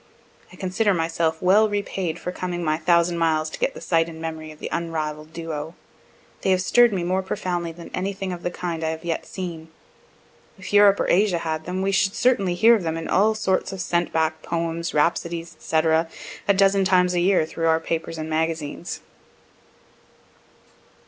I consider myself well repaid for coming my thousand miles to get the sight and memory of the unrivall'd duo. They have stirr'd me more profoundly than anything of the kind I have yet seen. If Europe or Asia had them, we should certainly hear of them in all sorts of sent back poems, rhapsodies, &c., a dozen times a year through our papers and magazines.